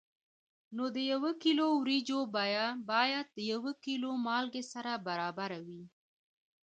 نو د یو کیلو وریجو بیه باید د یو کیلو مالګې سره برابره وي.